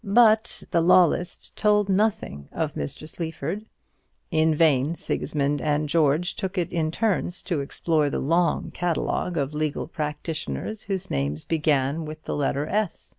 But the "Law List" told nothing of Mr. Sleaford. In vain Sigismund and George took it in turn to explore the long catalogue of legal practitioners whose names began with the letter S.